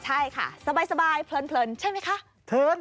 ใช่ค่ะสบายเพลินใช่ไหมคะเพลิน